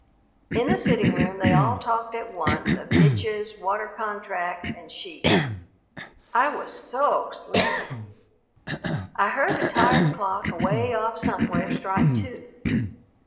In the sitting room they all talked at once of ditches, water contracts, and sheep. I was so sleepy. I heard a tired clock away off somewhere strike two.